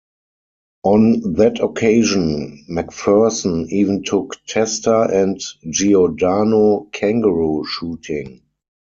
On that occasion, McPherson even took Testa and Giordano kangaroo shooting.